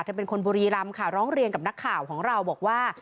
เป็นคนบุรีรำค่ะร้องเรียนกับนักข่าวของเราบอกว่า